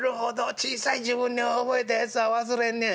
小さい時分に覚えたやつは忘れへんねん」。